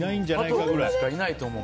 加藤君しかいないと思う。